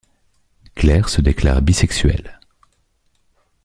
Clair se déclare bisexuelle.